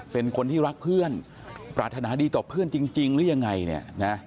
เป็นคนที่รักเพื่อนปรารถนาดีต่อเพื่อนจริงหรือยังไงเนี่ยนะ